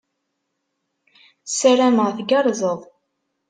Ssarameɣ tgerrzed.